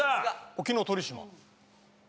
沖ノ鳥島。